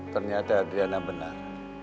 ternyata adriana benar